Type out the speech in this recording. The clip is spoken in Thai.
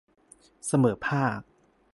เสมอภาค